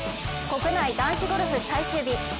国内男子ゴルフ最終日。